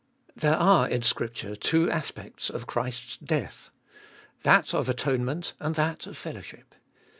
3. There are in Scripture two aspects of Christ's death—that of atonement and that of fellow ship.